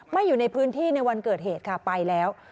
อยู่ในพื้นที่ในวันเกิดเหตุค่ะไปแล้ว